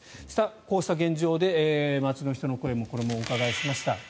こうした現状で街の人の声もお伺いしました。